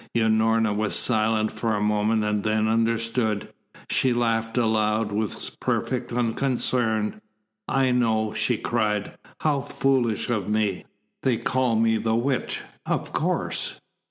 Unorna was silent for a moment and then understood. She laughed aloud with perfect unconcern. "I know!" she cried. "How foolish of me! They call me the Witch of course."